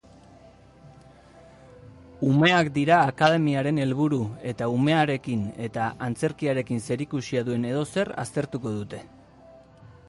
Umeak dira akademiaren helburu eta umearekin eta antzerkiarekin zerikusia duen edozer aztertuko dute.